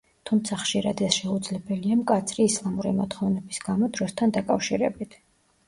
თუმცა ხშირად ეს შეუძლებელია მკაცრი ისლამური მოთხოვნების გამო დროსთან დაკავშირებით.